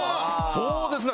そうですよね。